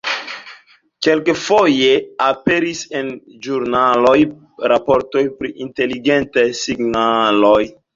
Kelkfoje aperis en ĵurnaloj raportoj pri inteligentaj signaloj.